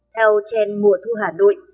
theo trend mùa thu hà nội